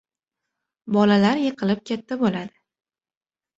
• Bolalar yiqilib katta bo‘ladi.